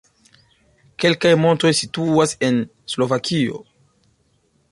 Kelkaj montoj situas en Slovakio.